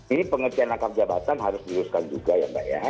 ini pengertian rangkap jabatan harus diluruskan juga ya mbak ya